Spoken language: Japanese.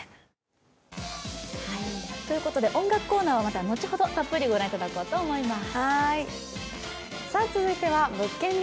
音楽コーナーは後ほどたっぷり御覧いただこうと思います。